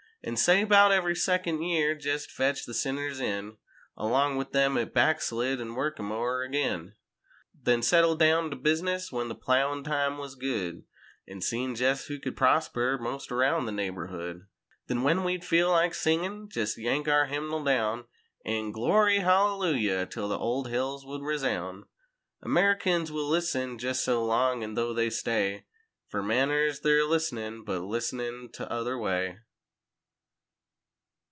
An' say 'bout every second year jest fetch the sinners in. Along with them 'at back slid, an' work 'em o'er agin. Then settle down to business when the plowin' time wuz good An' see jest who could prosper most around the neighborhood. Then when we'd feel like singin' jest yank our hymnal down An' "Glory Hallelujah" 'till the old hills would resoun'— Americans will listen jest so long—an' though they stay Fer manners—they're listenin', but listenin' tother way.